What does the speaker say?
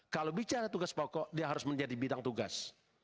kalau bicara tugas pokok dia harus menjadi bidang tugas